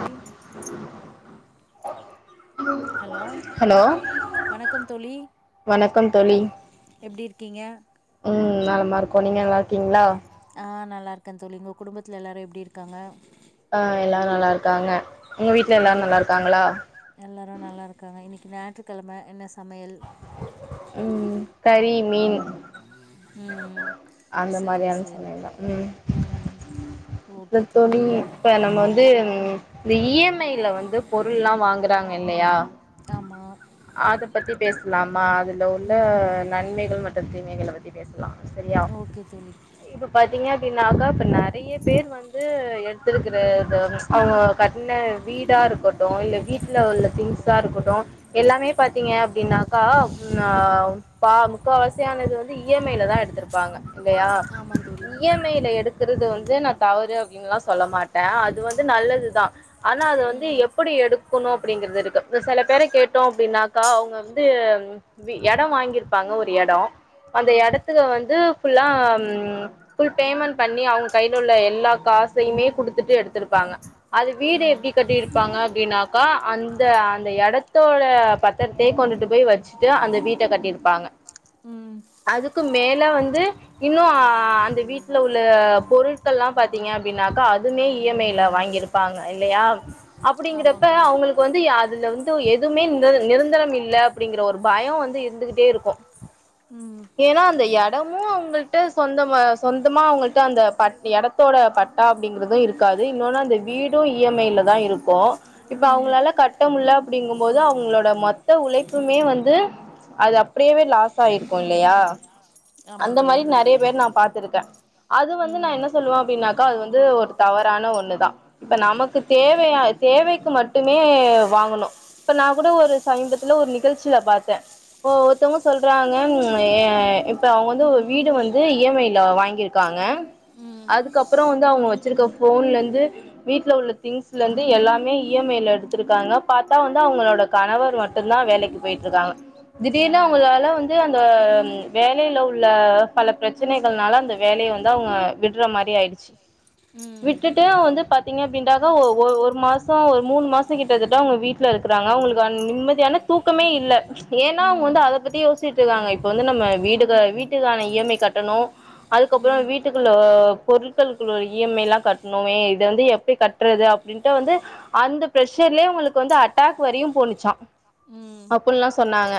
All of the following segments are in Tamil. வல் ஹலோ வணக்கம் தோழி வணக்கம் தோழி எப்டி இருக்கீங்க ம் நலமா இருக்கோ நீங்க நல்லா இருக்கீங்களா ஆ நல்லா இருக்கே‌ தோழி உங்க குடும்பத்துல எல்லாரு எப்டி இருக்காங்க ஆ எல்லாரு நல்லா இருக்காங்க உங்க வீட்ல எல்லாரு இன்னிக்கு நல்லா இருக்காங்களா எல்லாரு நல்லா இருக்காங்க இன்னிக் கி ஞாயித்துக்கெழம என்ன சமையல் ம் கறி மீன் ம் அந்த சேரி மாரியான சேரி சமயல் தா ம் ம் அப்றோ தோழி இப்ப நம்ம வந்து இந்த இ எம் ஐ-ல வந்து பொருள்லா வாங்குறாங்க இல்லயா ஆமா பேஸ்லாமா அதுல உள்ள ம் நன்மைகள் மற்றும் தீ மைகள பத்தி பேஸ்லா சரியா ஓகே தோழி இப்ப பாத்தீங்க னாக்கா இப்ப நெறய பேர் வந்து எடுத்துர்க்குற சு அவுங்க கட்டுன வீடா இருக்கட்டு இல்ல வீட்ல உள்ள திங்ஸா இருக்கட்டு எல்லாமே பாத் தீங்க அப்டினாக்கா ம் ஆ பா முக்காவாசியானது வந்து இ எம் ஐ-ல தா எடுத்துர்ப்பாங்க இல்லயா ஆமா தோழி இ எம் ஐ-ல எடுக்குறது வந்து நா தவறு அப்டின்லா சொல்ல மாட்டே அது வந்து நல்லது தா ஆனா அது வந்து ம் எப்புடி எடுக் குனு அப்டிங்ற்து இருக்கு இத செல பேர கேட்டோ அப்டின்னாக் கா அவுங்க வந்து வி எட வாங்கிற்ப்பாங்க ஒரு எடோ அந்த ம் எடத்துல வந்து ஃபுல்லா ம் ஃபுல் பேமண்ட் பண்ணி அவுங் கைல உள்ள எல்லா காசயுமே குடுத்துட்டு எடுத்துருப்பாங்க அது வீடு ம் எப்டி கட்டிருப்பாங்க அப்டின்னாக்கா அந்த அந்த எடத்தோட பத் தரத்தே கொண்டுட்டு போய் வச்ட்டு அந்த வீட்ட கட்டிருப்பாங்க ம் அதுக்கு மேல வந்து இன்னு அந்த வீட்ல உள்ள பொருட்கள்லா பாத்தீங்க அப்டின்னாக்கா அதுமே இஎம்ஐ ல வாங்கிருப்பாங்க இல்லயா ஆமா அப்புடிங்குறப்ப தோழி அவுங்குளுக்கு வந்து அதுல வந்து து எதுமே இந்து நிறந் ந்தரம் இல்ல அப்டிங்குற ஒரு பயோ வந்து இருந்துகிட்டே இருக்கு ம் ஏனா அந்த எடமு அவுங் உங்குள்ட்ட சொந்தம சொந்துமா அவுங்கள்ட்ட அந்த பட் எடத்தோட பட்டா அப்டிங்குறது இருக்காது இன்னோனு அந்த வீடூ இ எம்ஐல தா இருக்கோ இப்ப ம் அவுங்ளால கட்டமுல்ல ப்டிங்குமோது அவுங்ளோட மொத் த்த உழைப்புமே வந்து அது அப்டியவே லாஸ் ஆயிர்க்கு இல்லயா ஆமா அந்த தோழி மாரி நறைய பேர் நா பாத்துருக்க அது வந்து நா ம் என்ன சொல்லுவ அப்டினாக் க அது வந்து ஒரு தவறான ஒன்னு தா இப்ப நமக்கு தேவயா தேவைக்கு மட்டுமே வாங்கணு இப்ப நா கூட ஒரு சமீபத்துல ஒரு நிகழ்ச்சில பாத்தே ஒருத்தங்க சொல்றாங்க இப்ப அவுங்க வந்து வீடு வந்து இ எம் ஐ ல வாங்கிருக்காங்க ம் அதுக்கப்றோ வந்து அவுங்க வச்சிருக்க போன்லந்து வீட்ல உள்ள திங்ஸ்லந்து எல்லாமே இ எம் ஐ ல எடுத்துருக்காங்க பாத்தா வந்து அவுங்களோட கணவர் மட்டூதா வேலைக்கு போயிட் இருக்காங்க திடீர்னு ம் அவுங்களால வந்து அந்த வேலையில உள்ள பல பிரச்சனைகள்னால அந்த வேலைய வந்து அவுங்க விடுற மாறி ஆய்டுச்சி ம் விட்டுட்டு வந்து பத் தீங்க அப்டீன்டாகா ஒரு மாசோ ஒரு மூணு மாச கிட்டத்தட்ட அவுங்க வீட்ல இருக்குறாங்க அவுங்ளுக் நிம்மதியான தூக்கமே இல்ல ஏனா அவுங்க ம் ம் வந்து அத பத்தி யோஸ்சிட் இருக்காங்க இப்ப வந்து நம்ம வீடு வீட்டுக்கான இ எம் ஐ கட்டணு அதுக்கப்றோ ம் வீட்டுக்குள்ள பொருட்களுக்குள்ள இ எம் ஐ லா கட்ணுமே இத வந்து எப்டி கட்றது அப்டின்ட்டு வந்து அந்த ப்ரஷர்லயே அவுங்ளுக்கு வந்து அட்டாக் வரையு போனுச் சா அப்புல்லா சொன்னாங்க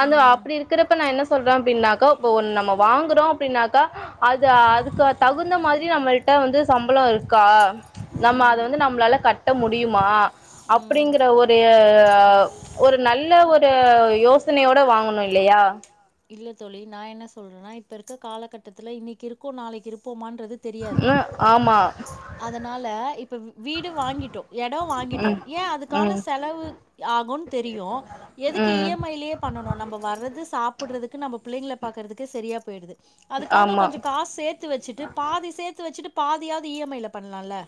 அந்த ம் அப்டி இருக்றப்ப நா என்ன சொல்றே அப்டின்னாக்கா இப்ப ஒன்னு நம்ம வாங்குறோ அப்டின்னாக்கா அது அதுக்கு தகுந்த மாறி நம்மள்ட்ட வந்து சம்பளோ இருக்கா நம்ம அத ம் வந்து நம்ளால கட் ட முடியுமா ம் அப்டிங்ற ஒரு ஆ ஆ ஒரு நல்ல ஒரு யோசனையோட வாங்கணு இல்லயா இல்ல தோழி நா என்ன சொல்றனா இப்ப இருக்க காலகட்டத்தில்ல இன்னைக்கு இருக்கோ நாளைக்கு இருப்போமா தெரியாது ம் ஆமா அதனால இப்ப வி வீடு வாங்கிட்டோ எடோ வாங்கிட்டோ ம் ஏ அதுக்கான ம் செலவு ஆகு தெரியு எதுக்கு இ ம் எம் ஐலே பண்ணனோ நம்ம வர்றது சாப் புடறதுக்கு நம்போ பிள்ளைள பாக்கறதுக்கே சரியா போயிடுது அதுக்காக ஆமா கொஞ்ச காசு சேத்து வெச்சிட்டு பாதி சேத்து வெச்சிட்டு பாதியாது இ எம் ஐ ல பண்ணால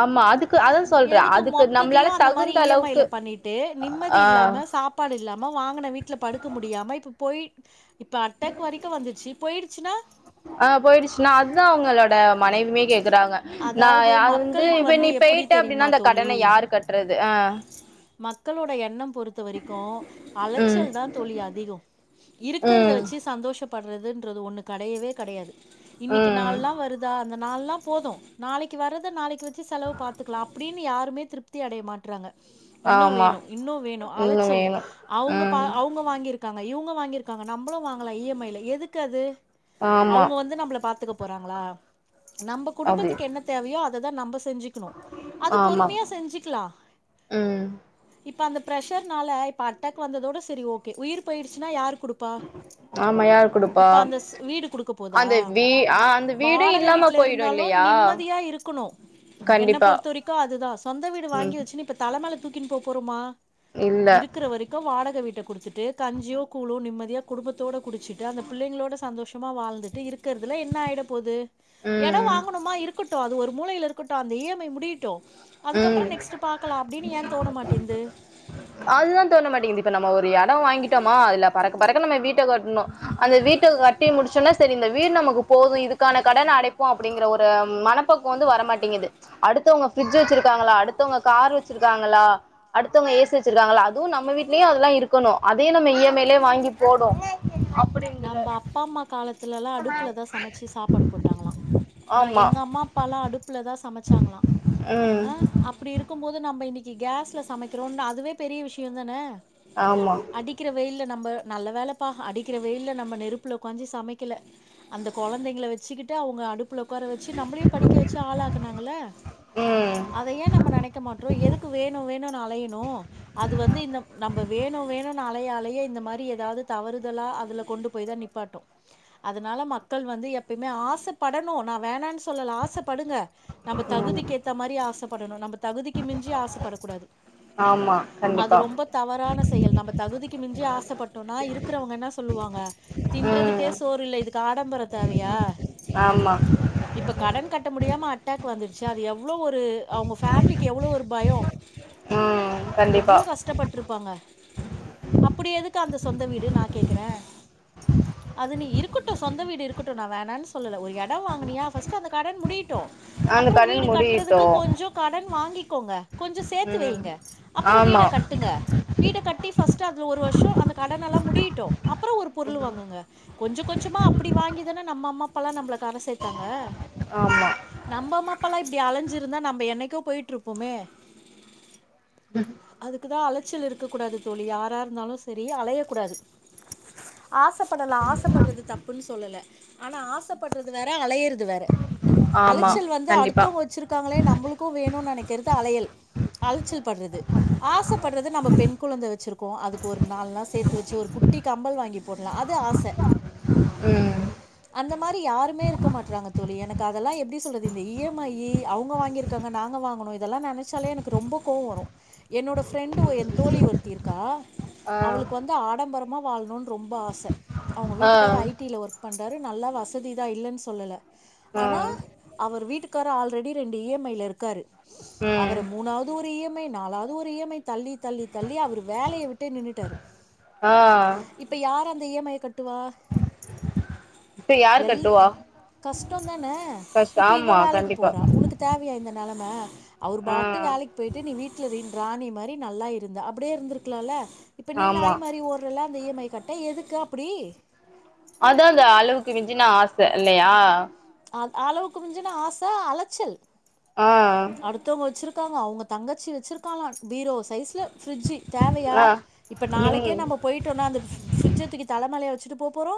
ஆமா அதுக்கு அதா சொல்றே எதுக்கு அதுக்கு மொத்தத்தையு நம்மளால அந்த மாரி தகுந்த இ எம் ஐ அளவுக்கு ல பண்ணிட்டு நிம்மதி ஆ இல்லாம சாப்பாடு இல்லாம வாங்குன வீட்ல படுக்க முடியாம இப்ப போய் இப்ப அட்டக் வரைக்கு வந்துச்சி போயிடுச்சின்னா ஆ போயிடுச்சின்னா அதா அவங்களோட மனைவிமே கே இருக்காங்க நா அதாவது யா வந்து மக்களுக்கு இப்ப நீ எப்டி பேயிட்ட தெரியுமா அப்டின்னா அந்த தோழி கடன யாரு கட்றது அ மக்களோட எண்ணம் பொறுத்த வரைக்கு உம் அலைச்சல் தா தோழி அதிகோ இருக்கிறத உம் வச்சி சந்தோஷப் படுறதுன்றது ஒன்னு கடையவே கடையாது இன்னைக்கு உம் நாளா வருதா அந்த நாள்னா போதும் நாளைக்கு வரத நாளைக்கு வச்சு செலவு பாத்துக்கலா அப்டின்னு யாருமே திருப்தி அடைய மாட்றாங்க இன்னு ஆமா வேணு இன்னு வேணு இன்னும் அழச்சலு வேணும் அவங்க பா உம் அவங்க வாங்கியிரு இருக்காங்க இவுங்க வாங்கியிருக்காங்க நம்மளு வாங்கலா இ எம் ஐல எதுக்கு அது ஆமா அவ்ங்க வந்து நம்மள பாத்துகோப் போறாங்களா நம்போ அப்படி குடும்பத் தேவையோ அத தா நம்பஷ் செஞ்சிக்கினு அது ஆமா பொறுமையா செஞ்சிக்கிலா உம் இப்ப அந்த பிரஷர்னால இப்ப அட்டாக் வந்ததோட செரி ஓகே உயிர் போயிச்சின்னா யாரு குடுப்பா ஆமா யார் குடுப்பா இப்ப அந்த ஸ் வீடு குடுக்க போதா அந்த வீ ஆ அந்த வீடு வாடக இல்லாம வீட்ல போயிடு இருந்தாலு இல்லைய நிம்மதியா இருக்குணு என்ன பொறுத்த வரைக்கு அதுதா சொந்த வீடு உம் வாங்கி வச்சின்னு இப்ப தலமேல தூக்கின் போபோறோமா இல்ல இருக்குற வரைக்கும் வாடக வீடு குடுத் து கஞ்சியோ கூழோ நிம்மதியா குடும்பத்தோடு குடிச்சிட்டு அந்த பிள்ளைங்களோட சந்தோஷமா வாழ்ந்துட்டு இருக்கறதுல என்ன ஆயிட போது எட உம் வாங் இருக்கட்டு அது ஒரு மூலையில இருக்கட்டு அந்த இ எம் ஐ முடியி டு அதுக்கப்றோ உம் நெக்ஸ்ட்டு பாக்லா அப்டின்னு ஏ தோன மாட்டேது அதுதா தோனமாட்டேங்து இப்ப நம்ப ஒரு எடோ வாங்கிட்டோமா அதுல பறக்க பறக்க நம்ப வீட்ட கட்டணு அந்த வீட்ட கட்டி முடிச்சோனே செரி இந்த வீடு நமக்கு போது இதுக்கான கடன் அடைப்போ அப்டிங்கற ஒரு மனப்பக்குவோ வந்து வரமாட்டேங்கிது ம்ச் அடுத்தவங்க பிரிட்ஜு வச்ருக்காங்களா அடுதவங்க கார் த்து வச்ருக்காங்கள அதுவு நம்ப வீட்லயே அதெல்லா இருக்கணு அதயே நம்ப இ எம் ஐ லேயே வாங்கி போடு நம்ப அப்பா மா காலத் த்துலலா அடுப்புல தா சமச்சி சாப்பாடு போட்டாங்களா நா ஆமா எங்க அம்மா அப்பாலா அடுப்புல தா சமச்சாங்களா ம் ஆஹ் அப்டி இருக்கும் போது நம்ப இன்னிக் நீ கேஸ்ல சமைக்றோன்னு அதுவே பெரிய விஷ்யோ தானே ஆமா அடிக்கிற வெயில்ல நம்ப நல்ல வேல பா அடி அடிக்கிற வெயில நம்ப நெருப்புல ஒக்காஞ்சி சமைக்கல அந்த கொழந்தைங்கள வெச்சுக்கிட்டு அவுங்க அடுப் அடுப்புல ஒக்கார வெச்சி நம்பளே படிக்க வெச்சி ஆளாக்குனாங்கல்ல ம் அத ஏ நம்ப நெனைக்க மாட்றோ எதுக்கு வேணு வேணு அலையனு அது வந்து இந்த நம்ப வேணு வேணுன்னு அலைய அலைய இந்த மாரி ஏதாது தவறு அதலா அதுல கொண்டு போய் தா நிப்பாட்டு அதனால மக்கள் வந்து எப்பயுமே ஆசப்படணு நா வேணான்னு சொல்ல ஆசப் படுங்க நம்ப ம் தகுதிக்கு ஏத்த மாரி ஆசப்படணு நம்ப தகுதிக்கு மிஞ்சி ஆசப்படக்கூடாது ஆமா அது கண்டிப்பா ரொம்ப தவறான செயல் நம்ப தகுதிக் மிஞ்சி ஆசப் பட்டோனா இருக் இருக்றவங்க என்னா சொல்வாங்க ம் தின்றதுக்கே சோறு இல்ல இதுக் அடம்பரோ தேவையா ஆமா இப்ப கடன் கட்ட முடியாம அட் டேக் வந்துருச்சு அது எவ் எவ்ளோ ஒரு அவுங்க ஃபேமிலிக்கு எவ்ளோ ஒரு பயோ ம் கண்டிப்பா எவ்ளோ கஷ்ட்டபட்ருப்பாங்க அப்டி எதுக்கு அந்த சொந்த வீடு ட்டு நா கேக்குறே அது நீ இருக்குட்டு சொந்த வீடு இருக்குட்டு நா வேணானு சொல்லல ஒரு எடோ வாங்கினியா ஃபர்ஸ்ட்டு அந்த கடன் முடி ட்டு அந்த அப்றோ வீடு கடன் முடியட்டு கட்றதுக்கு கொஞ்சோ கடன் வாங்கி டோங்க கொஞ்சோ சேத்து ம் வைங்க அப்றோ வீட ஆமா கட்டுங்க வீட கட்டி ஃபஸ் அதுல ஒரு வர்ஷோ அந்த கடன் னலா முடியட்டோ அப்றோ ஒரு பொருள் வாங்குங்க கொஞ்சோ கொஞ்சமா அப்டி வாங்கி தானே நம்ப அம்மா அப்பாலா நம்பல கர சேத்தாங்க ஆமா நம்ப அம்மா அப்பாலா இப்டி அலஞ்சிருந்தா நம்ப என்னைக்கோ பொய்ட்ருப்போமே அதுக்குதா அலச்சல் இருக்ககூடாது தோழி யாராருந்தாலு செரி அலய கூடாது ஆசப்படலா ஆசப்படுறது தப்புன்னு சொல்லல ஆனா ஆசப்படுறது வேற அலையறது வேற ஆமா அலச்சல் வந்து கண்டிப்பா அடுத்தவங்க வெச்சிருக்காங்களே நம்ளுக்கு வேணுன் நெனைக் அது அலையல் அலச்சல் பட்றது ஆசப்படுறது நம்ம பெண் கொழந்த வெச்சிருக்கோ அதுக்கு ஒரு நால்னா சேத்து வெச்சு ஒரு குட்டி கம்பல் வாங்கி போட்லா அது ஆச ம் அந்த மாரி யாருமே இருக்க மாட்றாங்க தோழி எனக்கு அதெல்லா எப்டி சொல்றது இந்த இ எம் ஐ யி அவுங்க வாங்கிருக்காங்க நாங்க வாங்குனோ இதல்லா நெனச்சாலே எனக்கு ரொம்ப கோவோ வரோ என்னோட ப்ரெண்டு எ தோழி ஒருத்தி இருக்கா ஆ அவளுக் க்கு வந்து ஆடம்பரமா வாழ்ணுன்னு ரொம்பா ஆச அவுங்க ஆ வீட்டுக்காரு ஐ டி ல ஒர்க் பண்றாரு நல்லா வசதிதா இல்லன் சொல்லல ஆ ஆனா அவர் வீட்டுக்கார் ஆல்ரெடி ரெண்டு இ எம் ஐ ல இருக்காரு ம் அவர் மூணாவது ஒரு இ எம் ஐ நாலாவது ஒரு இ எம் ஐ தள்ளி தள்ளி தள்ளி அவர் வேலைய விட்டே நின்னுட்டாரு ஆ இப்ப யார் அந்த இ எம் ஐ ய கட்டுவா இப்ப யாரு எல் கட்டுவா கஷ்டோ தானே கஷ்ட இப்ப இவ ஆமா வேலைக்கு கண்டிப்பா போறா உனக்கு தேவையா இந்த நெலம அவர் ஆ பாட்டு வேலைக்கு போய்ட்டு நீ வீட் ல ராணி மாரி நல்லா இருந்த அப்டியே இருந்துருக்கலால்ல இப்ப நீ ஆமா நாய் மாறி‌ ஓட்றல இந்த இயம்மை கட்ட எதுக்கு அப்டி இல்லயா அல் அளவுக்கு மிஞ்சுன ஆச அலச்சல் ஆ காங்க அவங்க தங்கச்சி வெச்சிருக்காலா பீரோ சைஸ்ல பிரிட்சு தேவயா ஆ இப்ப நாளைக்கே ம் நம்ப போய்ட்டோனா அந்த பிரிஜ்ச தூக்கி தலமேலயா வெச் வெச்சுட்டு போ போறோ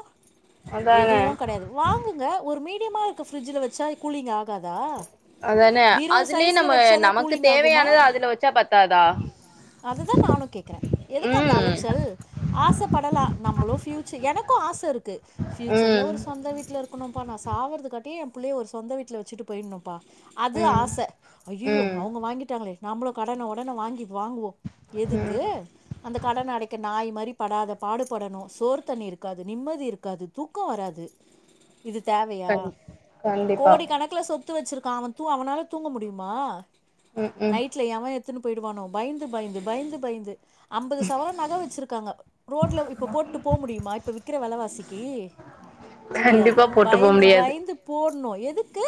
அதானே எதுவு கெடையாது வாங்குங்க ஒரு மா இருக்கு ப்ரிஜ்ல வெச்சா கூலிங்கா தா அதானே பீரோ அதுலயே சைஸ்ல நம்ம வச்சா தா நமக்கு கூலிங் ஆகுமா தேவையானது அதுல வச்சா பத்தாதா அததா நானு கேக்குற எதுக்கு அந்த ம் அலச்சல் ஆச படலா நம்மளு ஃபியூச்ச எனக்கு ஆச இருக்கு பியூச்சர்ல ம் ஒரு சொந்த வீட்ல இருக்கணு [unintelligible] சாவறதுக்காட்டியு எ புள்ளய ஒரு சொந்த வீட்ல வெச்சுட்டு போய்றணு பா அது ம் ஆச ஐய்யயோ ம் அவங்க வாங்கிட்டாங்களே நாம்மளு கடன உடன வாங்கி வாங்குவோ எதுக்கு ம் அந்த கடன அடைக்க நாய் மாரி படாத பாடு படணு சோர் தண்ணி இருக்காது நிம்மதி இருக்காது தூக்கோ வராது இது தேவையா கண் கண்டிப்பா கோடி கணக்குல சொத்து வெச்சிருக் தா அவ அவனால தூங்க முடியுமா ம் ம் நைட்ல எவ எ த்துனு போய்டுவானோ பய்ந்து பய்ந்து பய்ந்து பய்ந்து அம்பது சவரன் நக வெச்சுருக்காங்க ரோட்ல இப்டி இப்போ போட்டு போ முடியுமா இப்ப விக்கிற வெலவாசிக்கி முடியாது கண்டிப்பா போட்டு போ பய்ந்து முடியாது பய்ந்து போ போடணு எதுக்கு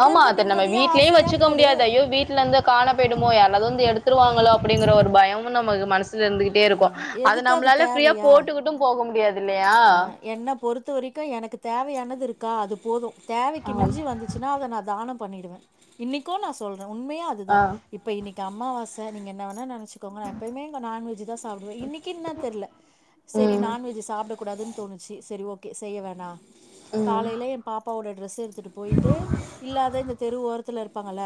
ஆமா அத நம்ம நிம்மதியா வீட்லயே ஆசையா வெச்சுக்க போடு முடியாது அய்யோ வீட்ல இருந்து காணா போயிடுமோ யாராவது வந்து எடுத்துருவாங்களோ அப்டிங்கிற ஒரு பயமும் நமக்கு மனசு இருந்துகிட்டே இருக்கு எதுக்கு அது தேவையா அ என்ன பொறுத்த வரைக்கு எனக்கு தேவயானது இருக்கா அது போது தேவைக்கு ஆம் மிஞ்சி வந்துச்சுன்னா அத நா தானம் பண்ணிடுவே இன்னிக்கு நா சொல்றே உண்மையா அது தா ஆ இப்ப இன்னிக்கு அம்மாவாச நீங்க என்ன வேணா நெனச் சுகோங்க எப்பயுமே இங்க நான்வெஜு சாப்டுவே இன்னிக்கி என்னான் தெரில சரி ம் நான்வெஜ் சாப் ட கூடாதுனு தோனுச்சி சரி ஓகே செய்ய வேணா ம் காலைல என் பாப்பாவோட ட்ரெஸ் எடுத்துட்டு போயிட்டு இல்லாத‌ இந்த தெரு ஓரத்துல இருப் பாங்கள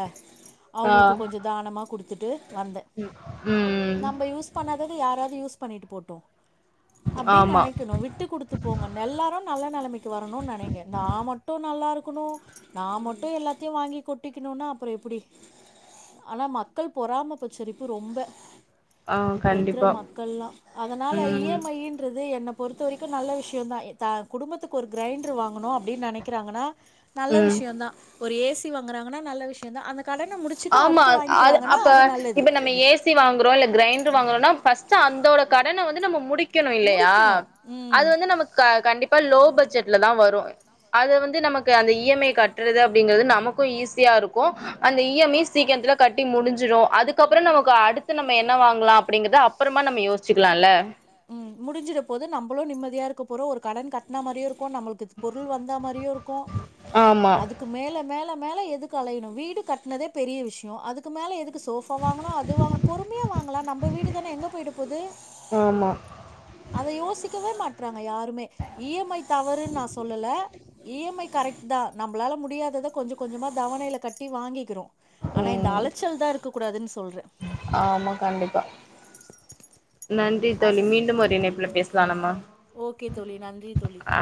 ஆ அவுங்குளுக்கு கொஞ்சோ தானமா குடுத்துட்டு வந்தே ம் நம்ப யூஸ் பண்ணாத யாராவது யூஸ் பண்ணிட்டு போட்டும் அப்டி ஆமா நனைக்கணு விட்டு குடுத்து போங்க எல்லாரு நல்ல நெலைமைக்கு வரனு நெனைங்க நா மட்டு நல்லா இருக் குனு நா மட்டு ‌எல்லாத்தையு வாங்கி கொட்டிக்குணுனா அப்றோ எப்டி ஆனா மக்கள் பொறாம பச்சரிப்பு ரொம்ப ஆ இப்ப இருக்குற கண்டிப்பா மக்கள்லா அதனால இ ம் எம் ஐ-ன்றது என்னப் பொறுத்த வரைக்கு நல்ல விஷயோதா த குடும்பத்துக்கு ஒரு கிரைண்டரு வாங்குனு அப்டினு நெனைக்கிறாங்கனா நல்ல ம் விஷயோதா ஒரு ஏ சி வாங்குறாங்கனா நல்ல விஷயோ தா அந்த கடன முடிச்சுட்டு ஆமா அடுத்து அது வாங்கிக்கிறாங்கன்னா அப்ப நல்லது இப்ப நம்ம ஏ சி வாங்குறோ இல்ல கிரைண்டர் வாங்குறோனா ஃபஸ்ட் அந்தோட கடன வந்து நம்ம முடிக் கனு இல்லையா முடிக்கணு அது ம் வந்து நமக்கு க கண்டிப் இப்ப லோ பட்ஜெட்ல தா வரு அது வந்து நமக்கு அந்த இ எம் ஐ கட்டுறது அப்டிங்குறது நமக்கு ஈஸியா இருக்கு அந்த இ எம் ஐ சீக்கிரத்தில கட்டி முடிஞ்சிடு அதுக்கப்புறோ நமக்கு அடுத்து நம்ம என்ன வாங்குலா அப்டிங்கிறத அப்றமா நம்ம யோசிச்சுக்கலால்ல ம் முடிஞ்சிட போது நம்பளு நிம்மதியா இருக்க போறோ ஒரு கடன் கட்ன மாரியு இருக் இப்ப நம்மளுக்கு பொருள் வந்தா மாரியு இருக்கு ஆமா அதுக்கு மேல மேல மேல எதுக்கு அலையணு வீடு கட்னதே பெரிய விஷயோ அதுக்கு மேல எதுக் சோஃவா வாங்கணு அது வாங்கு பொறுமையா வாங்கலா நம்ம வீடு தான எங்க போய்ட போது ஆமா அத யோசிக்கவே மாட்றாங்க யாருமே இ எம் ஐ தவறுன் நா சொல்லல இ எம் ஐ கரெக்ட் தா நம்ளால முடியாதத கொஞ்ச கொஞ்சமா தவணைல கட்டி வாங்கிக்கிறோ ஆனா இந்த ம் அலைச்சல் தா இருக்க கூடாதுன் சொல்றே ஆமா கண்டிப்பா நன்றி தோழி அது மீண்டும் ஒரு இணைப்புல பேஸ்லா நம்ம ஓகே தோழி நன்றி தோழி ஆ